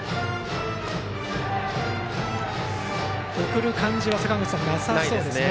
送る感じはなさそうですね。